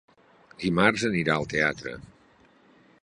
Dimarts anirà al teatre.